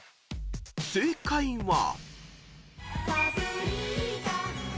［正解は］